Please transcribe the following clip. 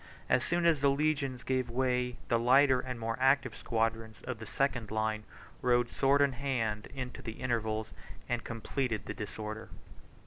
As soon as the legions gave way, the lighter and more active squadrons of the second line rode sword in hand into the intervals, and completed the disorder.